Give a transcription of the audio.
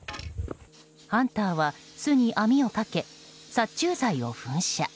ハンターは巣に網をかけ殺虫剤を噴射。